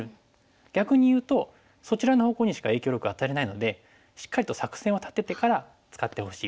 逆にいうとそちらの方向にしか影響力を与えないのでしっかりと作戦をたててから使ってほしい